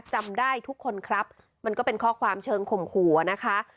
จำได้ทุกคนครับมันก็เป็นข้อความเชิงข่มขู่นะคะ